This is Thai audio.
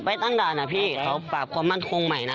ตั้งด่านนะพี่เขาปราบความมั่นคงใหม่นะ